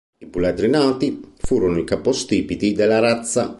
I puledri nati, furono i capostipiti della razza.